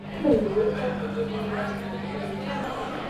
The name in Biblical Hebrew means "wasting" or "pining".